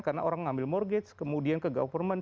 karena orang ngambil mortgage kemudian ke government